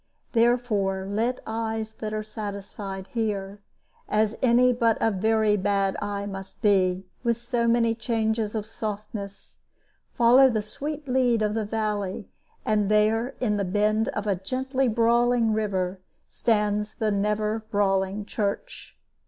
Therefore let eyes that are satisfied here as any but a very bad eye must be, with so many changes of softness follow the sweet lead of the valley; and there, in a bend of the gently brawling river, stands the never brawling church.